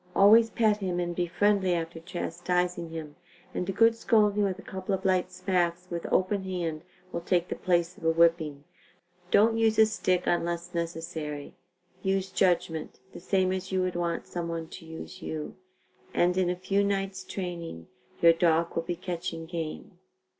Always pet him and be friendly after chastising him, and a good scolding with a couple of light smacks with open hand will take the place of a whipping. Don't use a stick unless necessary. Use judgment, the same as you would want some one to use you, and in a few nights' training your dog will be catching game.